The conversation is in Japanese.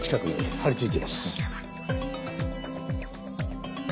はい。